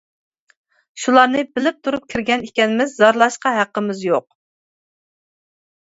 شۇلارنى بىلىپ تۇرۇپ كىرگەن ئىكەنمىز، زارلاشقا ھەققىمىز يوق.